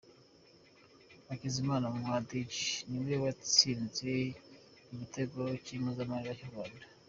Hakizimana Muhadjili ni we watsinze igitego cy’impozamarira cy’u Rwanda